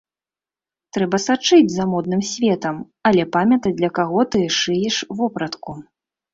Трэба сачыць за модным светам, але памятаць для каго ты шыеш вопратку.